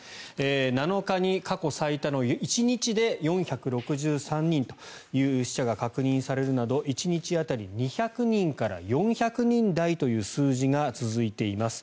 ７日に過去最多の１日で４６３人という死者が確認されるなど１日当たり２００人から４００人台という数字が続いています。